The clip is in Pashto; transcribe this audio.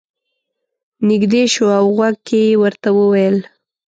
نږدې شو او غوږ کې یې ورته وویل.